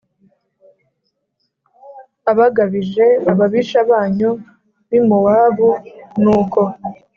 Abagabije ababisha banyu b i mowabu nuko